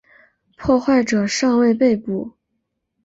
破坏者尚未被捕。